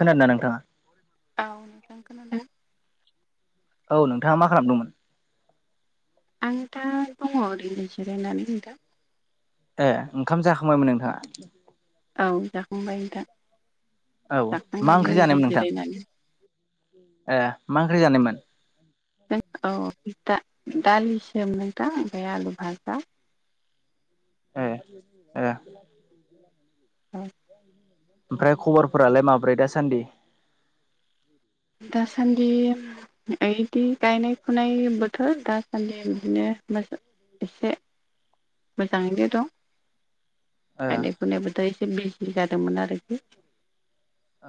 खोनादोंना नोंथाङा औ नोंथां खोनादों औ नोंथाङा मा खालामदोंमोन आं दा दङ' ओरैनो जिरायनानै नोंथां ए ओंखाम जाखांबायमोन नोंथाङा औ जाखांबाय दा औ मा ओंख्रि जानायमोन नोंथां जिरायनानै ए मा ओंख्रि जानायमोन जों औ दा दालि सोमदों दा ओमफ्राय आलु भाजा ए - ए औ ओमफ्राय खबरफोरालाय माब्रै दासान्दि दासान्दि ओइदि गायनाय फुनाय बोथोर दासान्दि बिदिनो मोस एसे मोजाङैनो दं [unintelligible] ए गायनाय फुनाय‌बो दा एसे बिजि जादोंमोन आरोखि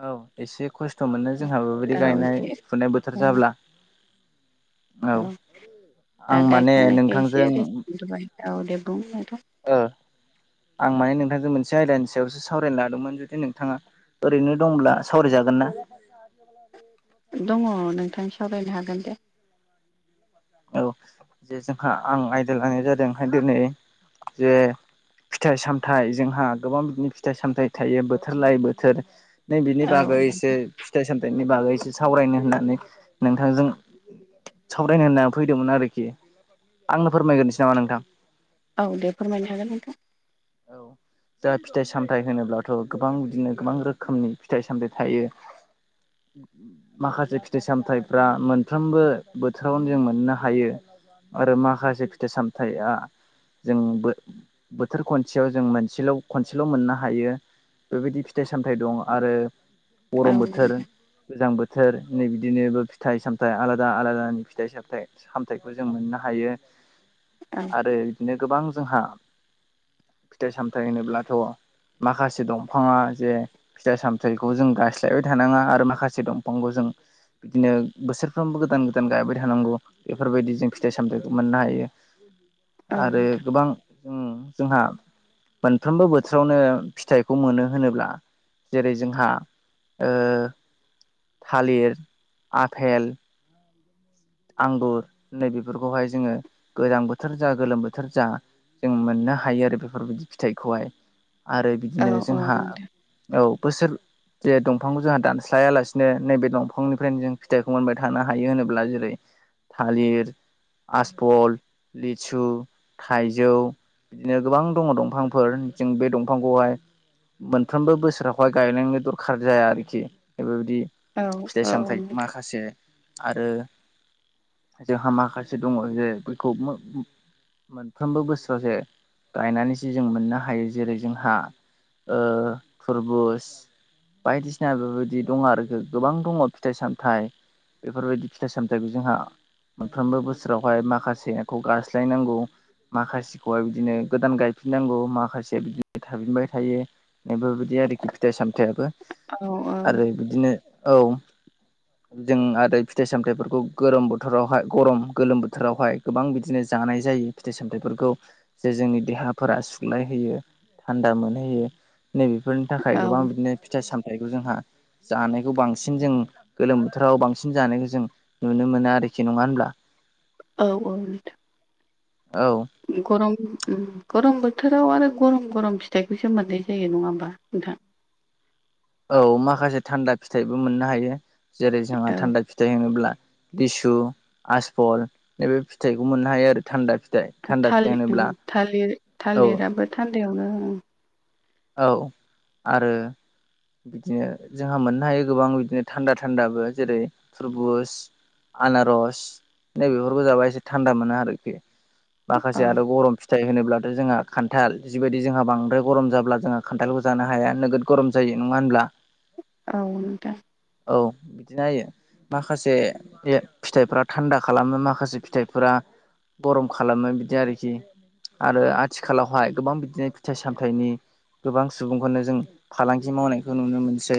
औ एसे खस्थ' मोनो जोंहा बेबायदि औ गायनाय एसे फुनाय बोथोर औ जाब्ला औ आं दा माने गायखांनायखाय नोंथांजों एसे रेस्ट मोनाय औ दे बुं नोंथां ओ आं माने नोंथांजों मोनसे आयदानि सायावसो सावरायनो लादोंमोन जुदि नोंथाङा ओरैनो दंब्ला सावरायजागोन ना [unintelligible] दङ नोंथां सावरायनो हागोन दे औ जे जोंहा आं आयदा लानाय जादोंहाय दिनै जे फिथाइ सामथायाइ जोंहा गोबां बिदिनो फिथाइ सामथायाइ थायो बोथोर लाय बोथोर नै बिनि औ बागै एसे फिथाइ सामथाइनि बागैसो सावरायनो होननानै नोंथांजों सावरायनो होनना फैदोंमोन आरोखि आंनो फोरमायग्रोसै नामा नोंथां औ दे फोरमायनो हागोन नोंथां औ जा फिथाइ सामथायाइ होनोब्लाथ' गोबां बिदिनो गोबां रोखोमनि फिथाइ सामथायाइ थायो [unintelligible] माखासे फिथाइ सामथायाइफ्रा मोनफ्रोमबो बोथोरावनो जों मोननो हायो आरो माखासे फिथाइ सामथायाइा जों बो बोथोर खनसेयाव जों मोनसेल' खनसेल' मोननो हायो बेबायदि फिथाइ सामथायाइ दं आरो औ गरम बोथोर गोजां बोथोर नै बिदिनोबो फिथाइ सामथाइ आलादा आलादानि फिथाइ सामथाइ सामथाइखौ जों मोननो हायो आरो बिदिनो गोबां जोंहा फिथाइ सामथाइ होनोब्लाथ' माखासे दंफाङा जे फिथाइ सामथाइखौ जों गायस्लायबाय थानाङा आरो माखासे दंफांखौ जों बिदिनो बोसोरफ्रोमबो गोदान गोदान गायबाय थानांगौ बेफोरबायदि जों फिथाइ सामथाइखौ मोननो हायो आरो नोंथां गोबां उम- जोंहा मोनफ्रोमबो बोथोरावनो फिथाइखौ मोनो होनोब्ला जेरै जोंहा ओ थालिर आफेल आंगुर नै बेफोरखौहाय जोङो गोजां बोथोर जा गोलोम बोथोर जा जों मोननो हायो आरो बेफोरबायदि फिथाइखौहाय आरो औ बिदिनो औ जोंहा नोंथां औ बोसोर जे दंफांखौ जोंहा दानस्लायालासिनो नैबे दंफांनिफ्रायनो जों फिथाइखौ मोनबाय थानो हायो होनोब्ला जेरै थालिर आसफल लिसु थाइजौ बिदिनो गोबां दङ दंफांफोर जों बे दंफांखौहाय मोनफ्रोमबो बोसोरावहाय गायनांनो दरखार जाया आरोखि बेफोरबायदि औ फिथाइ औ नोंथां औ सामथाइ नोंथां माखासे आरो जोंहा माखासे दङ जे बेखौ [unintelligible] मोनफ्रोमबो बोसोराव जे गायनानैसो जों मोननो हायो जेरै जोंहा ओ- फुरबुस बायदिसिना बेबायदि दङ आरोखि गोबां दङ फिथाइ सामथाइ बेफोरबायदि फिथाइ सामथाइ जोंहा मोनफ्रोमबो बोसोरावहाय माखासेखौ गारस्लायनांगौ माखासेखौय बिदिनो गोदान गायफिननांगौ माखासेया बिदिनो थाफिनबाय थायो बेबायदि आरोखि फिथाइ सामथायाबो औ आरो बिदिनो औ- जों आरो फिथाइ सामथाइफोरखौ गरोम बोथोरावहाय गरम गोलोम बोथोरावहाय गोबां बिदिनो जानाय जायो फिथाइ सामथाइफोरखौ जे जोंनि देहाफोरा सुग्लायहोयो थान्दा मोनहोयो नैबेफोरनि थाखाय औ गोबां बिदिनो फिथाइ सामथाइखौ जोंहा जानायखौ बांसिन जों गोलोम बोथोराव बांसिन जानायखौ जों नुनो मोनो आरोखि नङा होनब्ला औ- औ- नोंथां औ- गरम उम गरम बोथोराव आरो गरम गरम फिथाइखौसो मोननाय जायो नङा होमबा नोंथां औ- माखासे थान्दा फिथाइबो मोननो हायो जेरै जोंहा औ थान्दा फिथाइ होनोब्ला लिसु आसफल नैबे फिथाइखौ मोननो हायो आरो थान्दा फिथाइ थान्दा फिथाइ थालिर होनोब्ला थालिर- औ थालिराबो थान्दायावनो उम औ- आरो बिदिनो जोंहा मोननो हायो गोबां बिदिनो थान्दा थान्दाबो जेरै थुरबुस आनारस नै बेफोरखौ जाबा एसे थान्दा मोनो आरोखि औ माखासे आरो गरम फिथाइ होनोब्लाथ' जोंहा खान्थाल जिबायदि जोंहा बांद्राय गरम जाब्ला जोंहा खान्थालखौ जानो हाया नोगोद गरम जायो नङा होनब्ला औ- नोंथां औ- बिदिनायो माखासे फिथाइफोरा थान्दा खालामो माखासे फिथाइफोरा गरम खालामो बिदि आरोखि आरो आथिखालावहाय गोबां बिदिनो फिथाइ सामथाइनि गोबां सुबुंखौनो जों फालांगि मावनायखौ नुनो मोनसै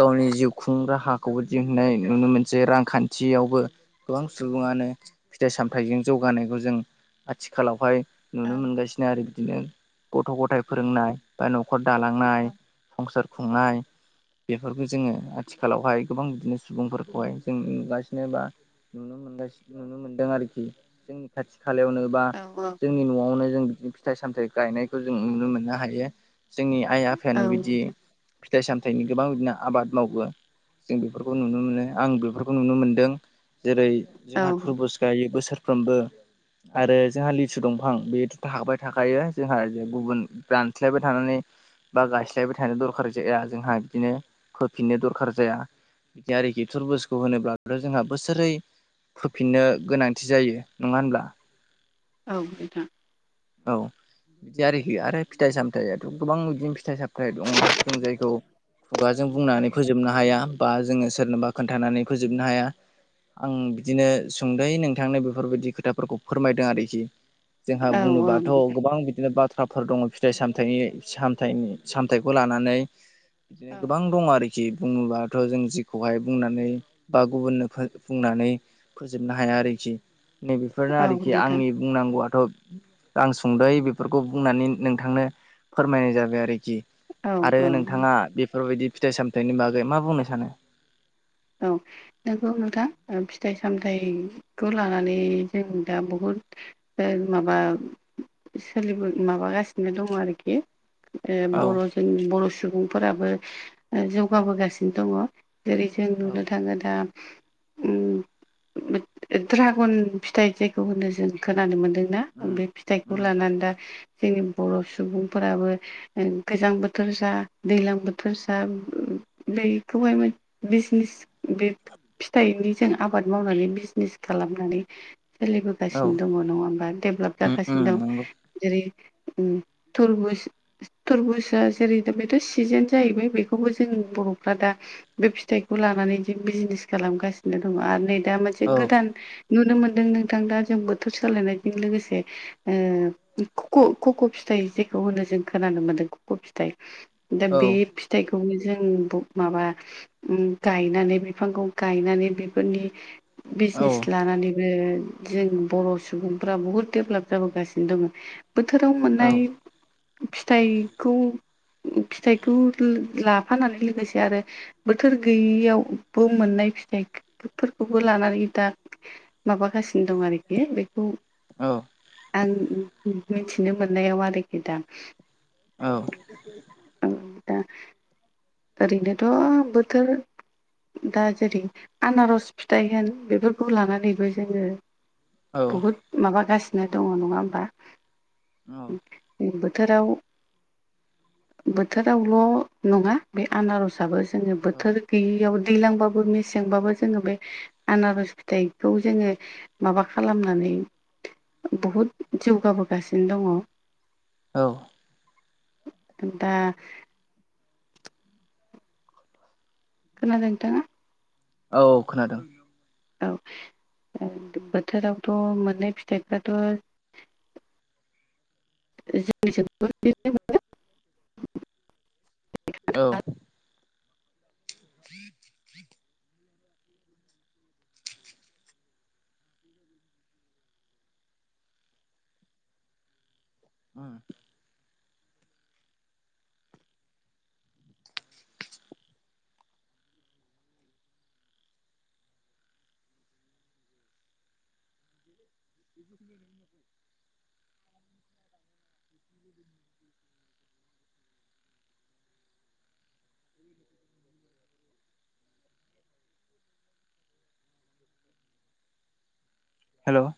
गावनि जिउ खुं राहाखौबो दिहुननाय नुनो मोनसै रांखान्थि खा थवबो गोबां सुबुङानो फिथाइ सामथायाइजों जौगानायखौ जों आथिखालावहाय औ नुनो मोनगासिनो आरो बिदिनो गथ' गथायाइ फोरोंनाय बा न'खर दालांनाय संसार खुंनाय बेफोरखौ जोङो आथिखालावहाय गोबां बिदिनो सुबुंफोरखौहाय जों नुगासिनो बा नुनो मोनगासि नुनो मोनदों आरोखि जोंनि खाथि खालायावनो बा औ जोंनि न'आवनो जों बिदिनो फिथाइ सामथ गायनायखौ जों नुनो मोननो हायो जोंनि आइ औ आफायानो बिदि नोंथां फिथाइ सामथायाइनि गोबां बिदिनो आबाद मावो जों बेफोरखौ नुनो मोनो आं बेफोरखौ नुनो मोनदों जेरै औ जोंहा थुरबुज गायो बोसोरफ्रोमबो आरो जोंहा लिसु दंफां बे' थाबाय थाखायो जोंहा गुबुन बानस्लायबाय थानानै बा गायस्लायबाय थानो दरखार जाया जोंहा बिदिनो फोफिननो दरखार जाया बिदि आरोखि थुरबुजखौ होनोब्लाथ' जोंहा बोसोरै [unintelligible] फिननो गोनांथि जायो नङा होनब्ला? औ बेथां औ बिदि आरोखि आरो फिथाइ सामथायाथ' गोबां बिदिनो फिथाइ सामथाइ [unintelligible] जों जायखौ खुगाजों बुंनानै फोजोबनो हाया बा जोङो सोरनोबा खोन्थानानै फोजोबनो हाया आं बिदिनो सुंद'यै नोंथांनो बेफोरबायदि खोथाफोरखौ फोरमायदों आरोखि जोंहा औ बुंनो गोबां बिदिनो बाथ्राफोर दङ' फिथाइ सामथाइनि सामथाइ सामथाइखौ लानानै बिदिनो गोबां दं आरो [unintelligible] खि बुङोबाथ' जों जिखौहाय बुंनानै बा गुबुननो फो बुंनानै फोजोबनो हाया आरोखि नैबेफोरनो औ आरोखि नोंथां आंनि बुंनांगौआथ' आं सुंद'यै बेफोरखौ बुंनानै [unintelligible] नोंथांनो फोरमायनाय जाबाय आरोखि। औ आरो औ नोंथाङा बेफोरबायदि फिथाइ -सामथाइनि बागै मा बुंनो सानो? औ नोंगौ नोंथां ओ फिथाइ- सामथाइ खौ लानानै जों दा बुहुद ओ माबा सोलिबो माबागासिनो दङ' आरोखि ओ औ बर' जोंनि बर' सुबुंफोराबो ओ जौगाबोगासिनो दङ' जेरै जों औ नुनो थाङो दा उम [unintelligible] ड्रागन फिथाइ जायखौ होनो जों खोनानो मोनदोंना उम बे फिथाइखौ उम लानानै दा जोंनि बर' सुबुंफोराबो [unintelligible] गोजां बोथोर जा दैलां बोथोर जा [unintelligible] बैखौहाय मान बिजनिस बिब फिथाइनि जों आबाद मावनानै बिजनेस खालामनानै औ सोलिबोगासिनो दङ' नङा होमबा डेभलाप उम उम जागासिनो दं। नंगौ जेरै उम थुरबुस थुरबुजआ जेरै दा बेथ' सिजोन जाहैबाय बेखौबो जों बर'फ्रा दा बे फिथाइखौ लानानै जों बिजनिस खालामगासिनो दङ' आरो नै दा मोनसे औ गोदान नुनो मोनदों नोंथां दा जों बोथोर सोलायनायजों लोगोसे ओ [unintelligible] ख खक' फिथाइ जेखौ होनो जों खोनानो मोनदों खक' फिथाइ दा औ बे फिथाइखौनो जों ब माबा उम गायनानै बिफांखौ गायनानै बेफोरनि औ बिजनिस लानानै बे जों बर' सुबुंफ्रा बहुद देबलाप जाबोगासिनो दङ'। बोथोराव औ मोननाय फिथाइखौ फिथाइखौ [unintelligible] लाफानानै लोगोसे आरो बोथोर गैयियावबो मोननाय फिथाइफोरखौबो लानानै दा माबागासिनो दं आरोखि बेखौ औ आं मिनथिनो मोननायाव आरोखि दा औ। औ दा ओरैनोथ' बोथोर दा जेरै आनार'स फिथाइ होन बेफोरखौ लानानैबो जोङो औ बुहुद औ बोथोराव बोथोरावल' नङा बे आनार'साबो जोङो औ बोथोर गैयियाव दैलांबाबो मेसेंबाबो जोङो बे आनार'स फिथाइखौ जोङो माबा खालामनानै बुहुद जौगाबोगासिनो दङ' औ। दा खोनादों नोंथाङा? औ खोनादों। औ [unintelligible] बोथोरावथ' मोननाय फिथाइफ्राथ' [unintelligible] औ हेलौ